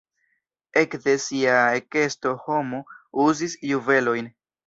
Ekde sia ekesto homo uzis juvelojn.